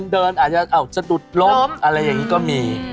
เดินอาจจะดุดลบอะไรอย่างนี้ก็มี